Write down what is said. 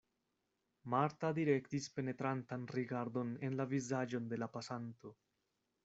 Marta direktis penetrantan rigardon en la vizaĝon de la pasanto.